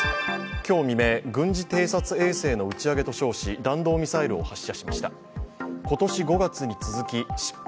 今日未明、軍事偵察衛星の打ち上げと称し、弾道ミサイルを発射しました。